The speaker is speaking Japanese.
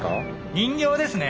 人形ですね。